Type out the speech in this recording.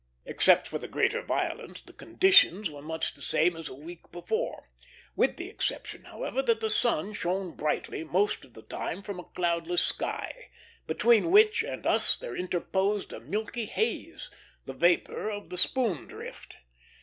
Except for the greater violence, the conditions were much the same as a week before; with the exception, however, that the sun shone brightly most of the time from a cloudless sky, between which and us there interposed a milky haze, the vapor of the spoon drift.